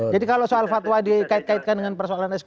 jadi kalau soal fatwa dikaitkan dengan persoalan eksekutif